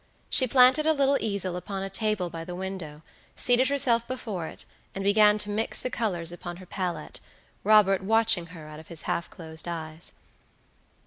She planted a little easel upon a table by the window, seated herself before it, and began to mix the colors upon her palette, Robert watching her out of his half closed eyes.